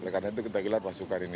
karena itu kita gelar pasukan ini